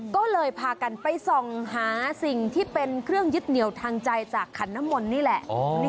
ก็เลยพากันไปส่องหาสิ่งที่เป็นเครื่องยึดเหนียวทางใจจากขันน้ำมนต์นี่แหละ